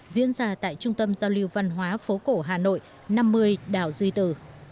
diễn ra tại trung tâm giao lưu văn hóa phố cổ hà nội năm mươi đảo duy tử